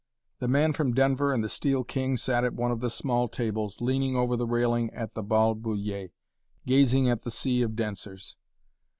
The man from Denver and the Steel King sat at one of the small tables, leaning over the railing at the "Bal Bullier," gazing at the sea of dancers.